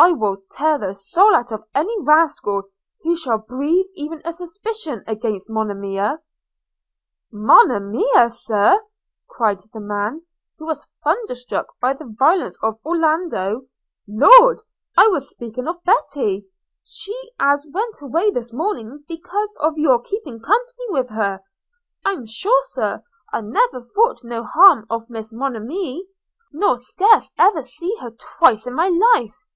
– I will tear the soul out of any rascal, who shall breathe even a suspicion against Monimia.' 'Monimia, Sir!' cried the man, who was thunderstruck by the violence of Orlando, 'Lord, I was speaking of Betty – she as went away this morning because of your keeping company with her – I'm sure, Sir, I never thought no harm of Miss Monimmy, nor scarce ever see her twice in my life.'